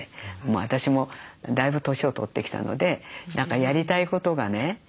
私もだいぶ年を取ってきたので何かやりたいことがね